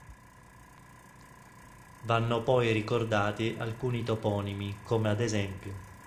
Vanno poi ricordati alcuni toponimi come ad es.